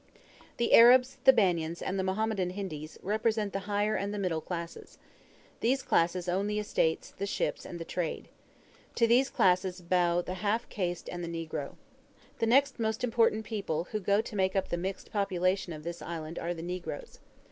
The Arabs, the Banyans, and the Mohammedan Hindis, represent the higher and the middle classes. These classes own the estates, the ships, and the trade. To these classes bow the half caste and the negro. The next most important people who go to make up the mixed population of this island are the negroes.